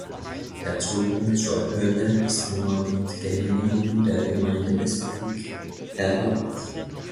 Der Zugang zur Höhle ist nur mit Genehmigung der Gemeinde Bestwig erlaubt.